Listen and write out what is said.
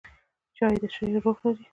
چای د شعر روح لري.